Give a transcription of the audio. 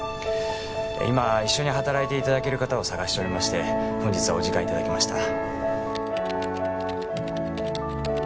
今一緒に働いていただける方を探しておりまして本日はお時間いただきました